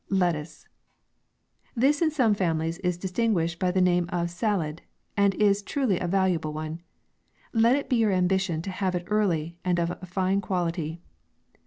LETTUCE. This in some families is distinguished by the name ofSallad ; and it is truly a valuable one. Let it be your ambition to have it ear ly r and of a fine quality.